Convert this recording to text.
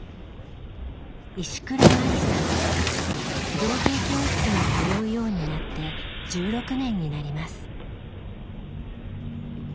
造形教室に通うようになって１６年になります。